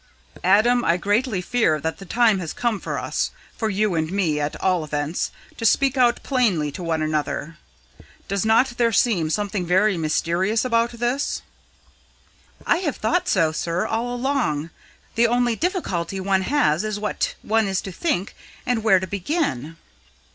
"Adam, I greatly fear that the time has come for us for you and me, at all events to speak out plainly to one another. Does not there seem something very mysterious about this?" "I have thought so, sir, all along. The only difficulty one has is what one is to think and where to begin."